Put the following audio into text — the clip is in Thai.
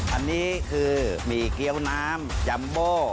อันนี้คือหมี่เกี้ยวน้ำจัมโบ